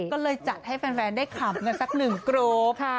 ก็เลยจัดให้แฟนได้ขำกันสักหนึ่งกรูป